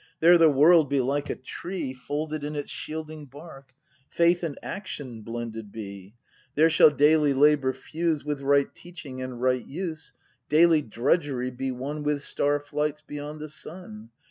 There the World be like a tree Folded in its shielding bark; Faith and Action blended be. There shall daily labour fuse With right Teaching and right Use, Daily drudgery be one With star flights beyond the sun.